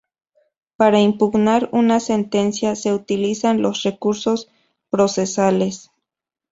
Para impugnar una sentencia se utilizan los recursos procesales.